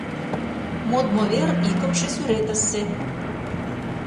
Модмо вер икымше сӱретысе.